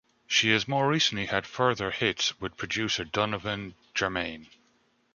She has more recently had further hits with producer Donovan Germain.